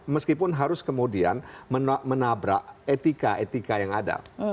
meskipun harus kemudian menabrak etika etika yang ada